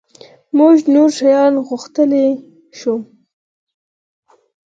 مونږ نور شیان غوښتلای شول.